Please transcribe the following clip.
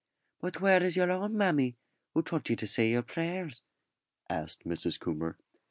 "But where is your own mammy, who taught you to say your prayers?" asked Mrs. Coomber.